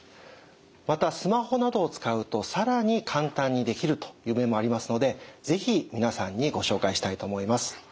またスマホなどを使うと更に簡単にできるという面もありますので是非皆さんにご紹介したいと思います。